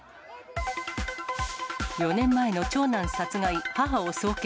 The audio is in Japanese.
４年前の長男殺害、母を送検。